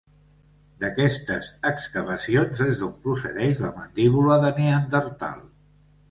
D'aquestes excavacions és d'on procedeix la mandíbula de Neandertal.